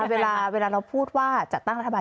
เวลาเราพูดว่าจัดตั้งรัฐบาล